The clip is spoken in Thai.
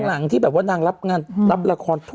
หลังที่แบบว่านางรับงานรับละคร